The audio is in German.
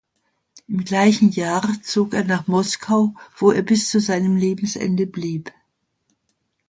Im gleichen Jahr zog er nach Moskau, wo er bis zu seinem Lebensende blieb.